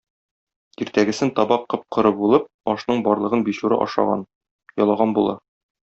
Иртәгесен табак коп-коры булып, ашның барлыгын бичура ашаган, ялаган була.